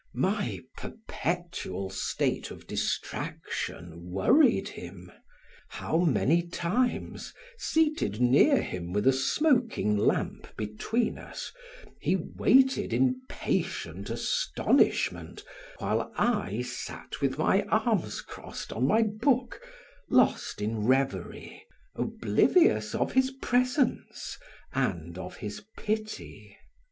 My perpetual state of distraction worried him. How many times seated near him with a smoking lamp between us, he waited in patient astonishment while I sat with my arms crossed on my book, lost in reverie, oblivious of his presence and of his pity.